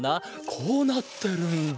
こうなってるんだ。